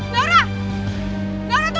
mbak kinta mbak kinta